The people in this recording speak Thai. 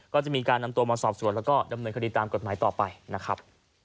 ก็จะมีการนำตัวมาสอบสวนแล้วก็ดำเนินคดีตามกฎหมายต่อไปนะครับ